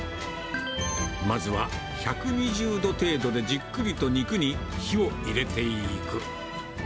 まずは１２０度程度でじっくりと肉に火を入れていく。